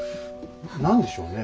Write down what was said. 何でしょうね？